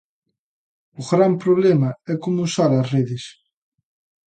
O gran problema é como usar as redes.